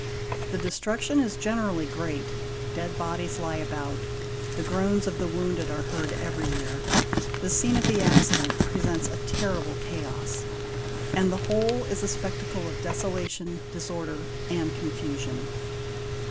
The destruction is generally great ; dead bodies lie about; the groans of the wounded are heard everywhere ; the scene of the accident presents a terrible chaos; the whole is a spectacle » of desolation, disorder, and confusion.